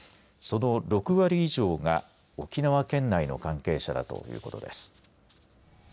その６割以上が沖縄県内の関係者だということです。